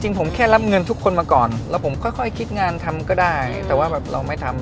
ผมแค่รับเงินทุกคนมาก่อนแล้วผมค่อยคิดงานทำก็ได้แต่ว่าแบบเราไม่ทำ